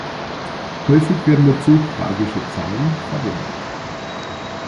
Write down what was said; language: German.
Häufig werden dazu "magische Zahlen" verwendet.